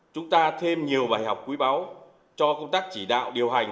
chúng ta thêm nhiều bài học quý báu cho công tác chỉ đạo điều hành